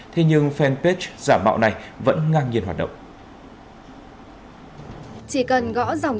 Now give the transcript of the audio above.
thế nhưng fanpage giả mạo này vẫn ngang nhiên hoạt động